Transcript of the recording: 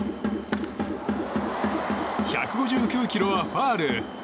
１５９キロはファウル。